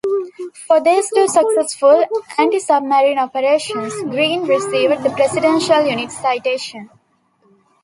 For these two successful antisubmarine operations "Greene" received the Presidential Unit Citation.